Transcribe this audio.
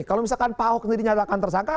kalau misalkan pahok ini dinyatakan tersangka